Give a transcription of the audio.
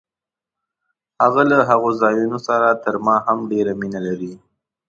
هغه له هغو ځایونو سره تر ما هم ډېره مینه لري.